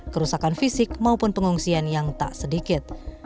kerusakan fisik maupun pengungsian yang tak sedikit